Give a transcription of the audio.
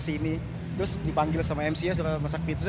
dan juga berpikir bahwa mereka akan menemukan suatu kulturnya yang berbeda